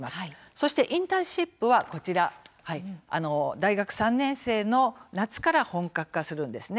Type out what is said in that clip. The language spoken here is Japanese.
そして、インターンシップは大学３年生の夏から本格化します。